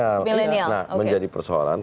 milenial nah menjadi persoalan